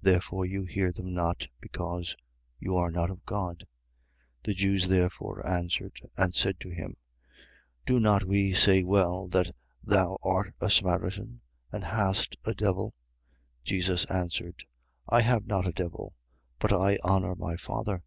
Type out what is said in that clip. Therefore you hear them not, because you are not of God. 8:48. The Jews therefore answered and said to him: Do not we say well that thou art a Samaritan and hast a devil? 8:49. Jesus answered: I have not a devil: but I honour my Father.